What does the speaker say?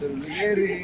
terus langsung ya pak